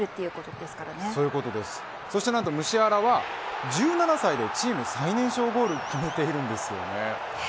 ムシアラは１７歳でチーム最年少ゴールを決めているんですよね。